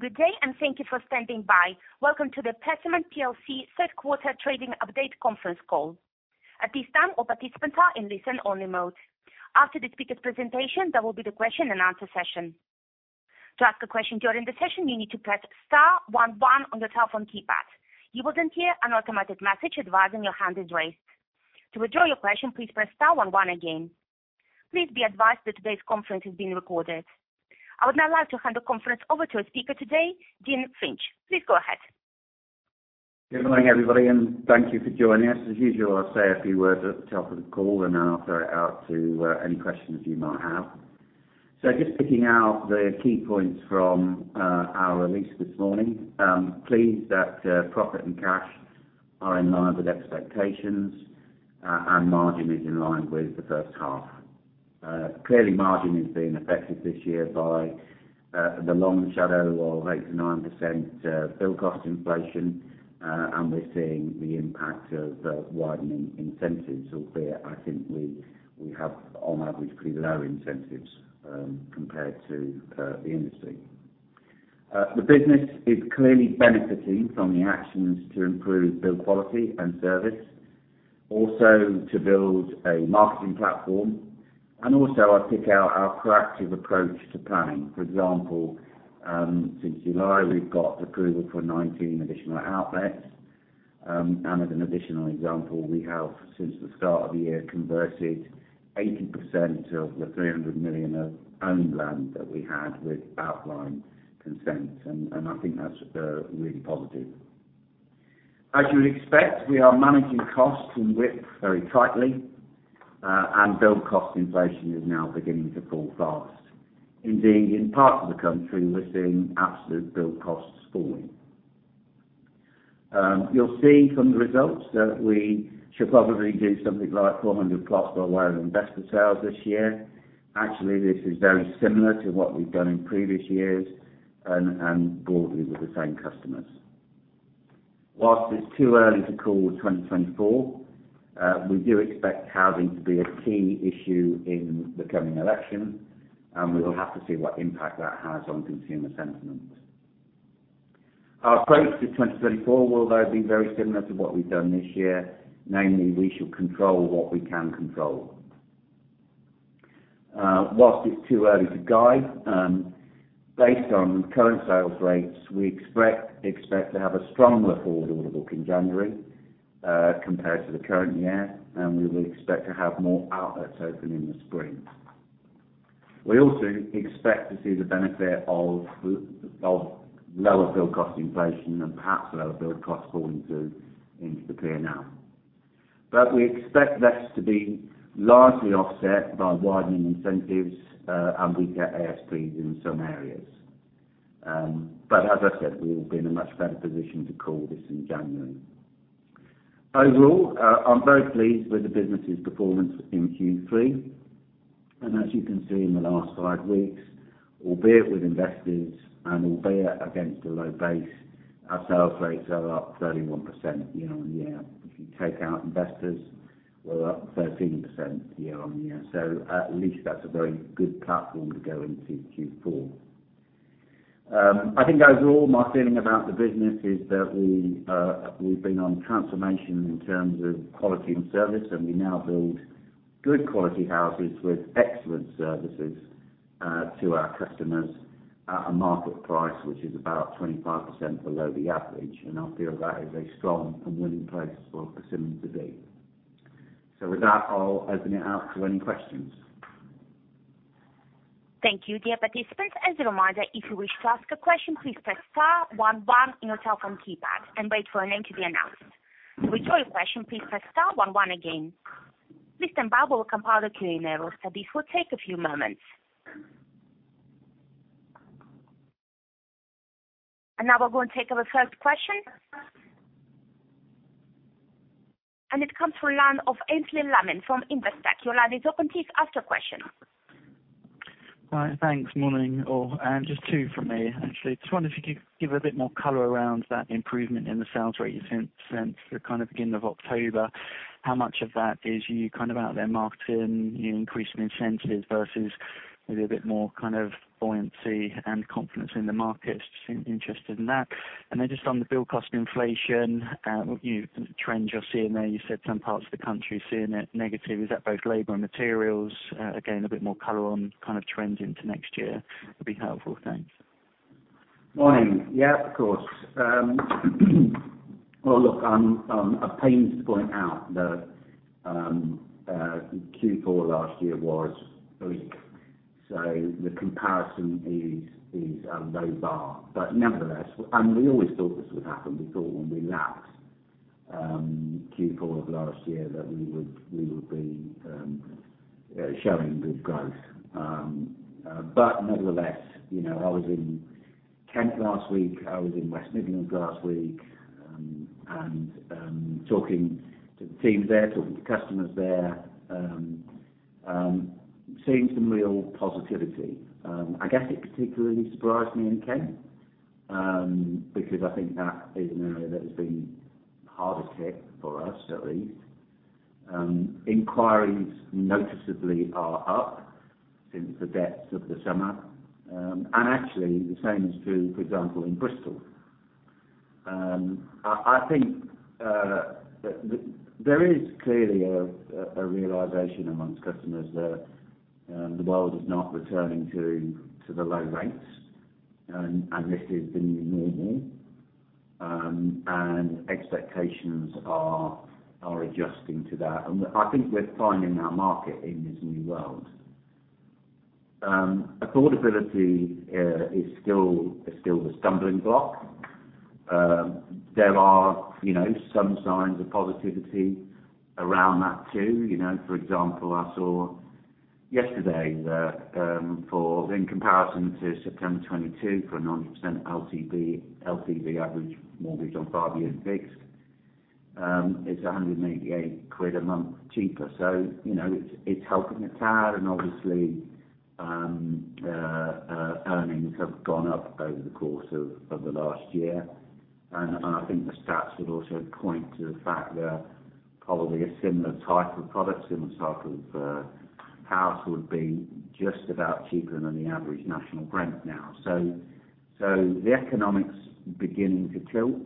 Good day, and thank you for standing by. Welcome to the Persimmon PLC third quarter trading update conference call. At this time, all participants are in listen-only mode. After the speaker's presentation, there will be the question and answer session. To ask a question during the session, you need to press star one one on your telephone keypad. You will then hear an automatic message advising your hand is raised. To withdraw your question, please press star one one again. Please be advised that today's conference is being recorded. I would now like to hand the conference over to our speaker today, Dean Finch. Please go ahead. Good morning, everybody, and thank you for joining us. As usual, I'll say a few words at the top of the call, and then I'll throw it out to any questions you might have. So just picking out the key points from our release this morning. Pleased that profit and cash are in line with expectations, and margin is in line with the first half. Clearly, margin is being affected this year by the long shadow of 8%-9% build cost inflation, and we're seeing the impact of widening incentives, albeit I think we, we have on average, pretty low incentives, compared to the industry. The business is clearly benefiting from the actions to improve build quality and service, also to build a marketing platform. And also I'll pick out our proactive approach to planning. For example, since July, we've got approval for 19 additional outlets. And as an additional example, we have, since the start of the year, converted 80% of the 300 million of owned land that we had with outline consent, and I think that's really positive. As you would expect, we are managing costs and WIP very tightly, and build cost inflation is now beginning to fall fast. Indeed, in parts of the country, we're seeing absolute build costs falling. You'll see from the results that we should probably do something like 400+ by way of investor sales this year. Actually, this is very similar to what we've done in previous years and broadly with the same customers. Whilst it's too early to call 2024, we do expect housing to be a key issue in the coming election, and we will have to see what impact that has on consumer sentiment. Our approach to 2024 will, though, be very similar to what we've done this year, namely, we shall control what we can control. Whilst it's too early to guide, based on current sales rates, we expect to have a stronger order book in January, compared to the current year, and we would expect to have more outlets open in the spring. We also expect to see the benefit of lower build cost inflation and perhaps lower build costs falling through into the P&L. But we expect this to be largely offset by widening incentives, and weaker ASPs in some areas. But as I said, we will be in a much better position to call this in January. Overall, I'm very pleased with the business's performance in Q3, and as you can see, in the last five weeks, albeit with investors and albeit against a low base, our sales rates are up 31% year-on-year. If you take out investors, we're up 13% year-on-year. So at least that's a very good platform to go into Q4. I think overall, my feeling about the business is that we, we've been on transformation in terms of quality and service, and we now build good quality houses with excellent services to our customers at a market price, which is about 25% below the average, and I feel that is a strong and winning place for Persimmon to be. With that, I'll open it out to any questions. Thank you, dear participants. As a reminder, if you wish to ask a question, please press star one one in your telephone keypad and wait for your name to be announced. To withdraw your question, please press star one one again. Please stand by while we compile the Q&A. This will take a few moments. Now we're going to take our first question. It comes from line of Aynsley Lammin from Investec. Your line is open. Please ask your question. Thanks. Morning, all, and just two from me. Actually, just wondering if you could give a bit more color around that improvement in the sales rate since the kind of beginning of October. How much of that is you kind of out there marketing, you increasing incentives versus maybe a bit more kind of buoyancy and confidence in the market? I'm interested in that. And then just on the build cost inflation, the trends you're seeing there, you said some parts of the country are seeing it negative. Is that both labor and materials? Again, a bit more color on kind of trends into next year would be helpful. Thanks. Morning. Yeah, of course. Well, look, I'm pained to point out that Q4 last year was weak, so the comparison is a low bar. But nevertheless, and we always thought this would happen, we thought when we lapped Q4 of last year, that we would be showing good growth. But nevertheless, you know, I was in Kent last week. I was in West Midlands last week. And talking to the teams there, talking to customers there, seeing some real positivity. I guess it particularly surprised me in Kent because I think that is an area that has been harder hit for us at least. Inquiries noticeably are up since the depths of the summer. And actually, the same is true, for example, in Bristol. I think there is clearly a realization amongst customers that the world is not returning to the low rates, and this is the new normal. Expectations are adjusting to that, and I think we're finding our market in this new world. Affordability is still the stumbling block. There are, you know, some signs of positivity around that, too. You know, for example, I saw yesterday that, in comparison to September 2022, for a 90% LTV average mortgage on 5 years fixed, it's 188 quid a month cheaper. So, you know, it's helping the tide, and obviously, earnings have gone up over the course of the last year. I think the stats would also point to the fact that probably a similar type of product, similar type of house would be just about cheaper than the average national rent now. So the economics beginning to tilt,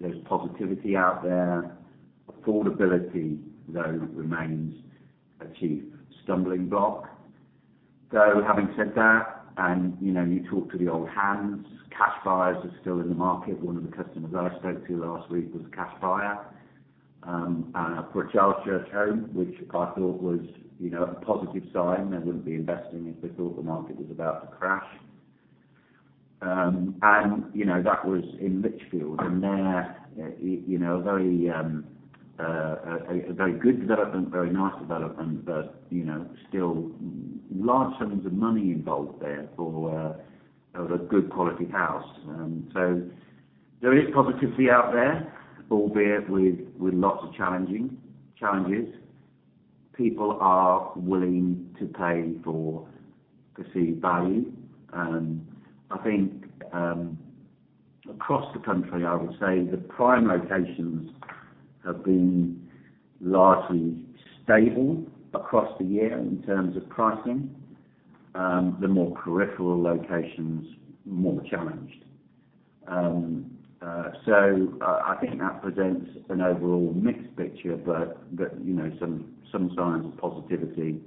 there's positivity out there. Affordability, though, remains a chief stumbling block. So having said that, and, you know, you talk to the old hands, cash buyers are still in the market. One of the customers I spoke to last week was a cash buyer, and for a Charles Church home, which I thought was, you know, a positive sign. They wouldn't be investing if they thought the market was about to crash. You know, that was in Lichfield, and there, you know, a very good development, very nice development, but, you know, still large sums of money involved there for a good quality house. So there is positivity out there, albeit with lots of challenges. People are willing to pay for perceived value, and I think across the country, I would say the prime locations have been largely stable across the year in terms of pricing, the more peripheral locations, more challenged. So I think that presents an overall mixed picture, but, you know, some signs of positivity,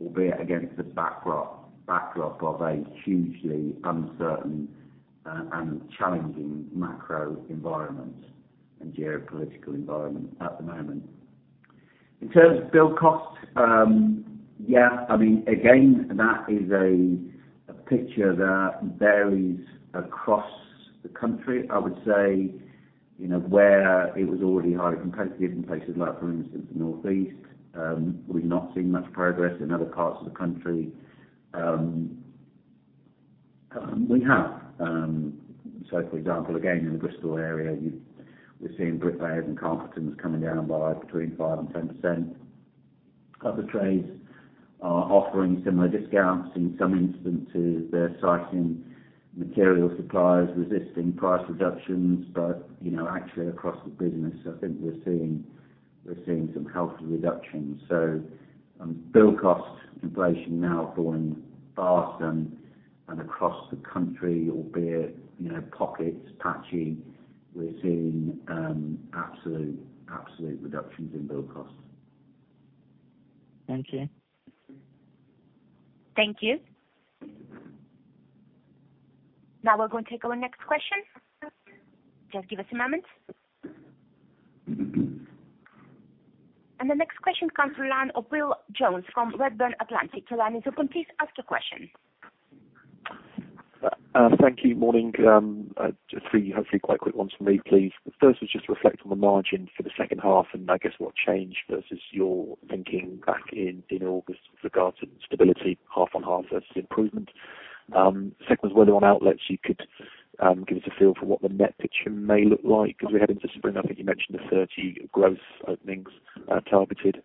albeit against the backdrop of a hugely uncertain and challenging macro environment and geopolitical environment at the moment. In terms of build costs, yeah, I mean, again, that is a picture that varies across the country. I would say, you know, where it was already highly competitive in places like, for instance, the North East, we've not seen much progress. In other parts of the country, we have... So for example, again, in the Bristol area, we're seeing bricklayers and carpenters coming down by between 5% and 10%. Other trades are offering similar discounts. In some instances, they're citing material suppliers resisting price reductions, but, you know, actually across the business, I think we're seeing, we're seeing some healthy reductions. So, build cost inflation now falling fast and across the country, albeit, you know, pockets patchy, we're seeing absolute, absolute reductions in build costs. Thank you. Thank you. Now we're going to take our next question. Just give us a moment. The next question comes from the line of Will Jones from Redburn Atlantic. Your line is open, so please ask your question. Thank you. Morning, just three, hopefully quite quick ones from me, please. The first was just reflect on the margin for the second half, and I guess what changed versus your thinking back in August with regards to the stability half on half versus improvement. Second was whether on outlets, you could give us a feel for what the net picture may look like because we're heading to spring. I think you mentioned the 30 growth openings targeted.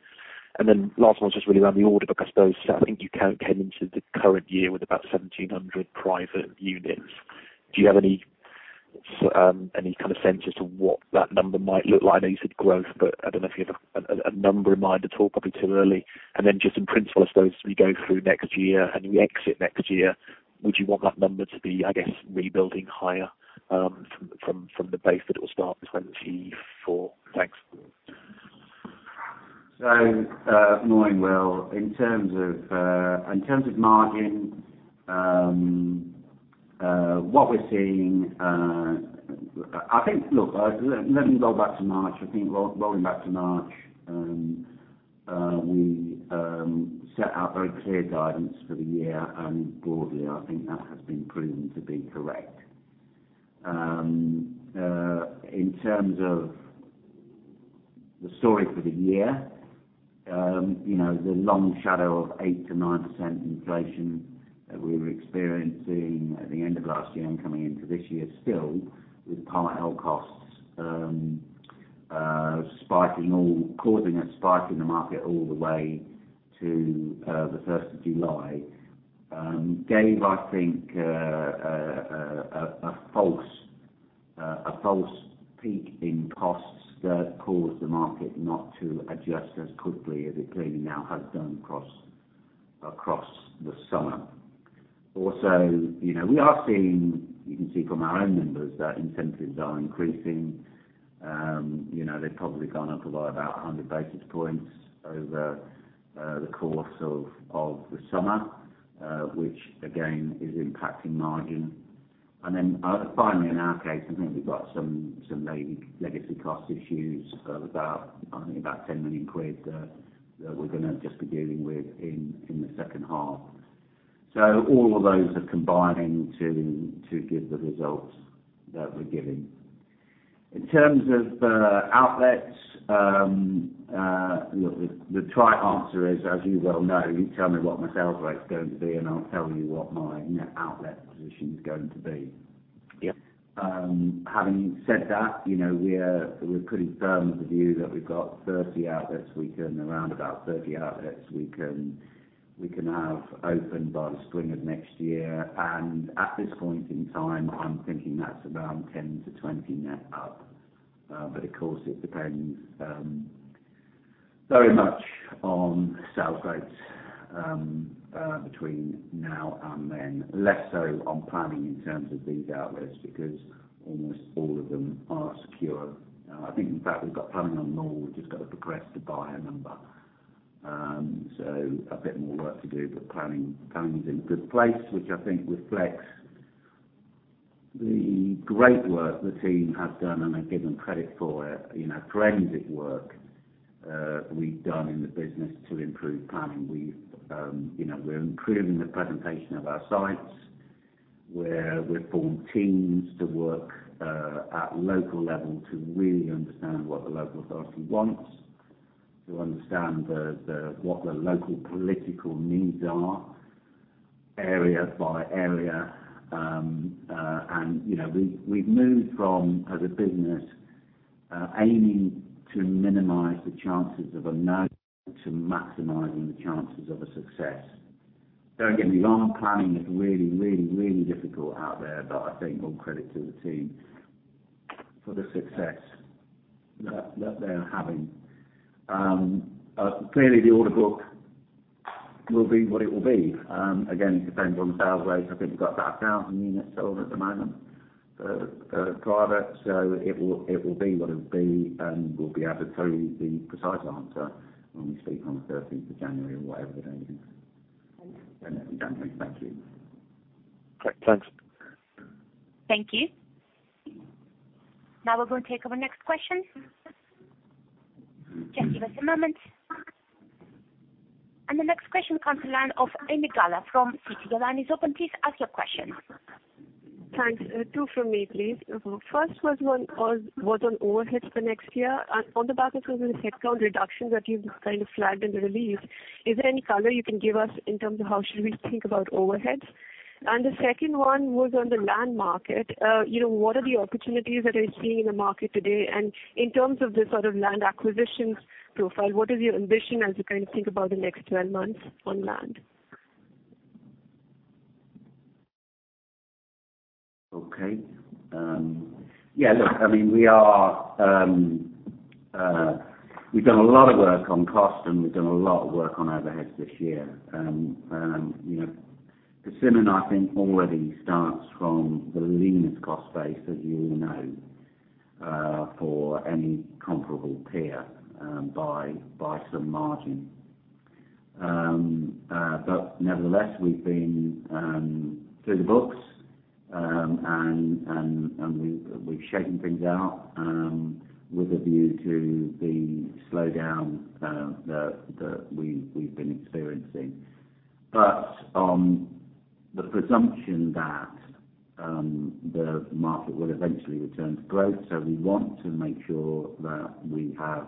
And then last one was just really around the order book. I suppose, I think you came into the current year with about 1,700 private units. Do you have any kind of sense as to what that number might look like? I know you said growth, but I don't know if you have a number in mind at all, probably too early. And then just in principle, I suppose, as we go through next year, and we exit next year, would you want that number to be, I guess, rebuilding higher, from the base that it will start 2024? Thanks. So, morning, Will. In terms of, in terms of margin, what we're seeing, I think. Look, let me go back to March. I think rolling back to March, we set out very clear guidance for the year, and broadly, I think that has been proven to be correct. In terms of the story for the year, you know, the long shadow of 8%-9% inflation that we were experiencing at the end of last year and coming into this year, still with raw material costs spiking, all causing a spike in the market all the way to the first of July. I think a false peak in costs that caused the market not to adjust as quickly as it clearly now has done across the summer. Also, you know, we are seeing—you can see from our own numbers, that incentives are increasing. You know, they've probably gone up by about 100 basis points over the course of the summer, which again, is impacting margin. And then, finally, in our case, I think we've got some legacy cost issues of about 10 million quid, that we're gonna just be dealing with in the second half. So all of those are combining to give the results that we're giving. In terms of outlets, look, the trite answer is, as you well know, you tell me what my sales rate is going to be, and I'll tell you what my net outlet position is going to be. Yep. Having said that, you know, we're pretty firm of the view that we've got 30 outlets we can around about 30 outlets we can have open by the spring of next year. At this point in time, I'm thinking that's about 10-20 net up. But of course, it depends very much on the sales rates between now and then. Less so on planning in terms of these outlets, because almost all of them are secure. I think in fact, we've got planning on more. We've just got to progress to buy a number. So a bit more work to do, but planning, planning is in a good place, which I think reflects the great work the team has done, and I give them credit for it. You know, forensic work we've done in the business to improve planning. We've, you know, we're improving the presentation of our sites, where we've formed teams to work at local level to really understand what the local authority wants, to understand the what the local political needs are, area by area. And, you know, we've moved from, as a business, aiming to minimize the chances of a no, to maximizing the chances of a success. Don't get me wrong, planning is really, really, really difficult out there, but I think all credit to the team for the success that they are having. Clearly, the order book will be what it will be. Again, it depends on the sales rate. I think we've got about 1,000 units sold at the moment, private, so it will, it will be what it will be, and we'll be able to tell you the precise answer when we speak on the thirteenth of January, or whatever the day is. Thank you. Great. Thanks. Thank you. Now we're going to take our next question. Just give us a moment. The next question comes to line of Ami Galla from Citi. The line is open. Please ask your question. Thanks. Two from me, please. First was one on overheads for next year. And on the back of kind of the headcount reductions that you've kind of flagged in the release, is there any color you can give us in terms of how should we think about overheads? And the second one was on the land market. You know, what are the opportunities that you're seeing in the market today? And in terms of the sort of land acquisitions profile, what is your ambition as you kind of think about the next twelve months on land? Okay. Yeah, look, I mean, we are, we've done a lot of work on cost, and we've done a lot of work on overheads this year. And, you know, Persimmon, I think, already starts from the leanest cost base, as you all know, for any comparable peer, by some margin. But nevertheless, we've been through the books, and we've shaken things out, with a view to the slowdown that we've been experiencing. But on the presumption that the market will eventually return to growth, so we want to make sure that we have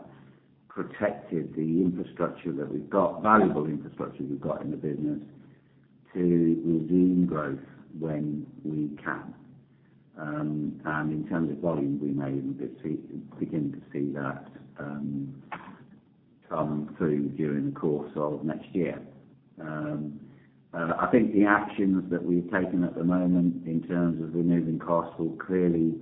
protected the infrastructure that we've got, valuable infrastructure we've got in the business, to resume growth when we can. And in terms of volume, we may even be beginning to see that come through during the course of next year. I think the actions that we've taken at the moment in terms of removing costs will clearly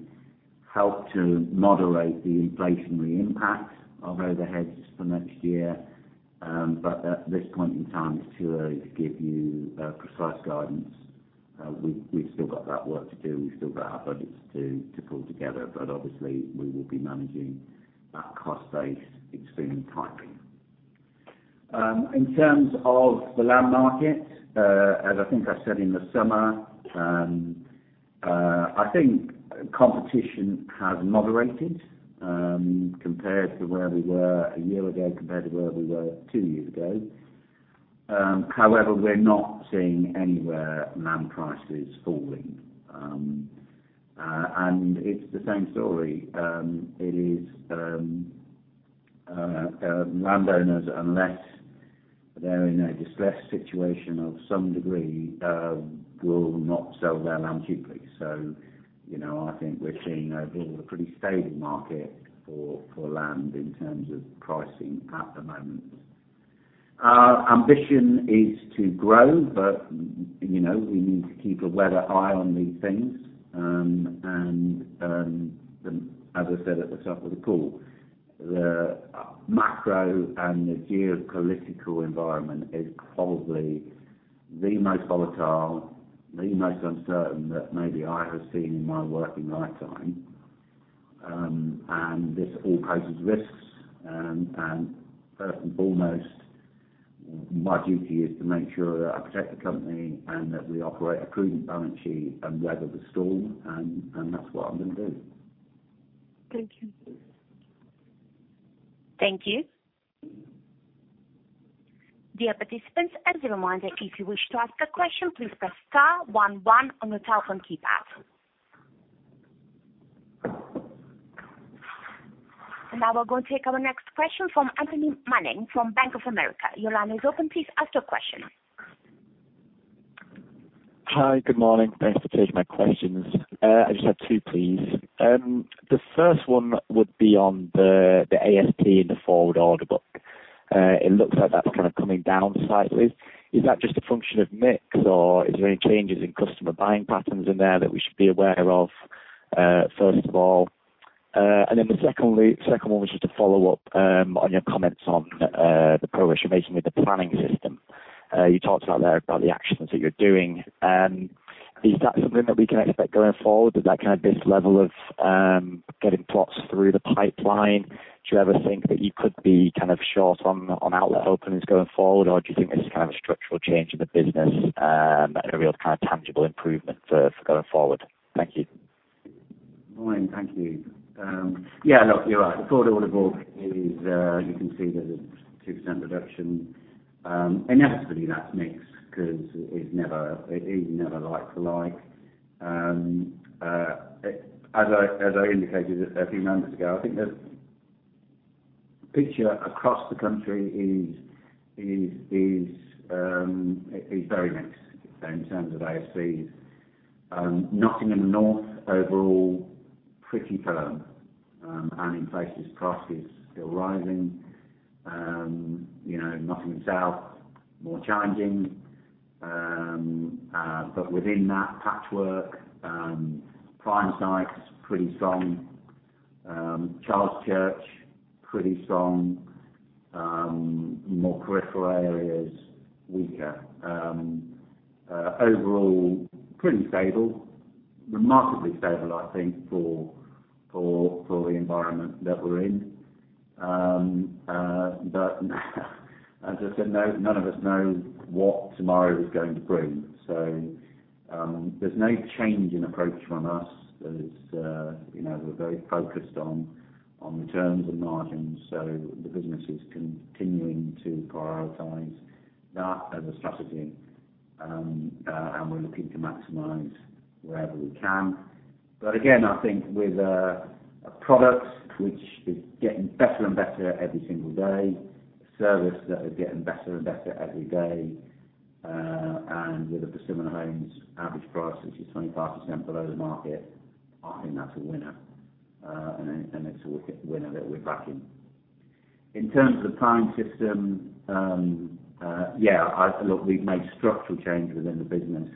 help to moderate the inflationary impact of overheads for next year. But at this point in time, it's too early to give you precise guidance. We've still got that work to do. We've still got our budgets to pull together, but obviously, we will be managing that cost base extremely tightly. In terms of the land market, as I think I said in the summer, I think competition has moderated, compared to where we were a year ago, compared to where we were two years ago. However, we're not seeing anywhere land prices falling. And it's the same story. Landowners, unless they're in a distressed situation of some degree, will not sell their land cheaply. So, you know, I think we're seeing, overall, a pretty stable market for, for land in terms of pricing at the moment. Our ambition is to grow, but, you know, we need to keep a weather eye on these things. And, as I said at the start of the call, the macro and the geopolitical environment is probably the most volatile, the most uncertain, that maybe I have seen in my working lifetime. And this all poses risks. And first and foremost, my duty is to make sure that I protect the company and that we operate a prudent balance sheet and weather the storm, and that's what I'm gonna do. Thank you. Thank you. Dear participants, as a reminder, if you wish to ask a question, please press star one one on your telephone keypad. Now we're going to take our next question from Anthony Manning from Bank of America. Your line is open. Please ask your question. Hi, good morning. Thanks for taking my questions. I just have two, please. The first one would be on the ASP and the forward order book. It looks like that's kind of coming down slightly. Is that just a function of mix, or is there any changes in customer buying patterns in there that we should be aware of? First of all, and then the second one was just to follow up on your comments on the progress you're making with the planning system. You talked about the actions that you're doing. Is that something that we can expect going forward? Is that kind of this level of getting plots through the pipeline? Do you ever think that you could be kind of short on outlet openings going forward? Or do you think this is kind of a structural change in the business, and a real kind of tangible improvement for going forward? Thank you. Morning. Thank you. Yeah, look, you're right. The forward order book is, you can see there's a 2% reduction. Inevitably, that's mix, 'cause it's never, it is never like for like. As I indicated a few moments ago, I think the picture across the country is very mixed in terms of ASPs. Nottingham North, overall, pretty firm, and in places, prices still rising. You know, Nottingham South, more challenging. But within that patchwork, prime sites, pretty strong. Church, pretty strong. More peripheral areas, weaker. Overall, pretty stable. Remarkably stable, I think, for the environment that we're in. But as I said, none of us know what tomorrow is going to bring. So, there's no change in approach from us. There's, you know, we're very focused on, on returns and margins, so the business is continuing to prioritize that as a strategy. And we're looking to maximize wherever we can. But again, I think with a, a product which is getting better and better every single day, service that is getting better and better every day, and with the Persimmon Homes average price, which is 25% below the market, I think that's a winner, and it, and it's a winner that we're backing. In terms of the planning system, yeah, I... Look, we've made structural changes within the business,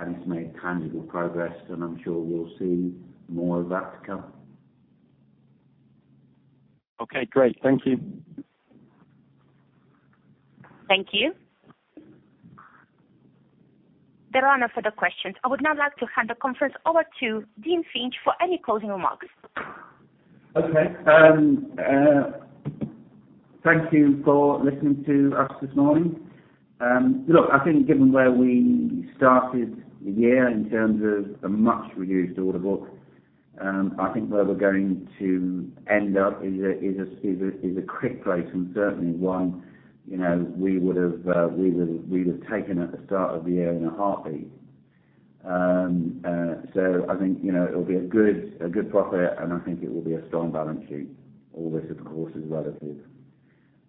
and it's made tangible progress, and I'm sure we'll see more of that to come. Okay, great. Thank you. Thank you. There are no further questions. I would now like to hand the conference over to Dean Finch for any closing remarks. Okay. Thank you for listening to us this morning. Look, I think given where we started the year in terms of a much reduced order book, I think where we're going to end up is a great place, and certainly one, you know, we would've taken at the start of the year in a heartbeat. So I think, you know, it'll be a good profit, and I think it will be a strong balance sheet. All this, of course, is relative.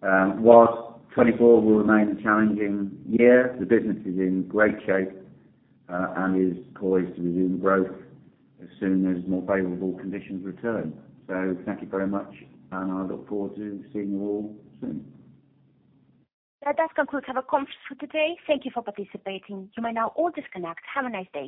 Whilst 2024 will remain a challenging year, the business is in great shape, and is poised to resume growth as soon as more favorable conditions return. So thank you very much, and I look forward to seeing you all soon. That concludes our conference for today. Thank you for participating. You may now all disconnect. Have a nice day.